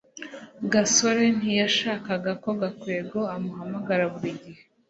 gasore ntiyashakaga ko gakwego amuhamagara buri gihe